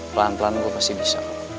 pelan pelan gue pasti bisa